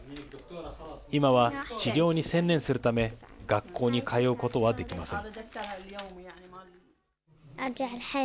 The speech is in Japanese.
今は治療に専念するため、学校に通うことはできません。